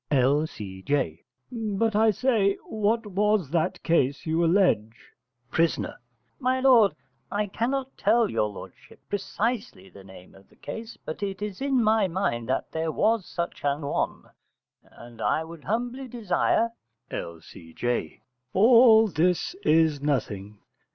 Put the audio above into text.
L.C.J. But I say, what was that case you allege? Pris. My lord, I cannot tell your lordship precisely the name of the case, but it is in my mind that there was such an one, and I would humbly desire L.C.J. All this is nothing.